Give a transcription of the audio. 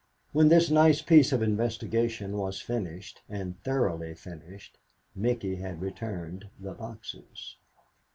When this nice piece of investigation was finished and thoroughly finished, Micky had returned the boxes.